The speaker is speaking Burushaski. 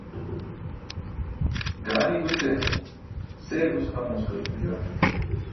Gaani guse see gus xa mooskarcum juwan.